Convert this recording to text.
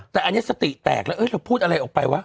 แต่อันนี้สติแตกแล้วเราพูดอะไรออกไปวะ